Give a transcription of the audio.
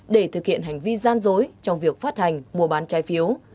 để thực hiện hành vi gian dối trong việc phát hành mùa bán trái phiếu